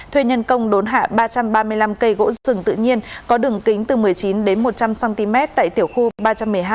thuê nhân công đốn hạ ba trăm ba mươi năm cây gỗ rừng tự nhiên có đường kính từ một mươi chín đến một trăm linh cm tại tiểu khu ba trăm một mươi hai ở xã sông hình